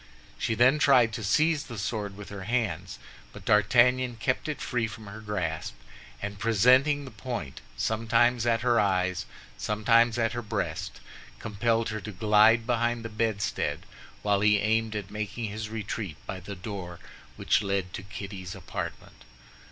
She then tried to seize the sword with her hands; but D'Artagnan kept it free from her grasp, and presenting the point, sometimes at her eyes, sometimes at her breast, compelled her to glide behind the bedstead, while he aimed at making his retreat by the door which led to Kitty's apartment.